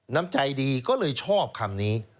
น้ำใจดีก็เลยชอบคำนี้